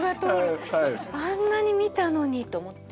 あんなに見たのにと思って。